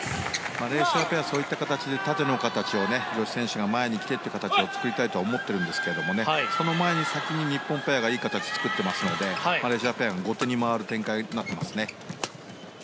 練習からそういった形で縦の形を女子選手が前に来てという形を作りたいと思うんですがその前に先に日本ペアがいい形を作っていますのでマレーシアペアも後手に回る展開になっていますね。